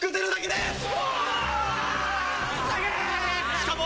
しかも。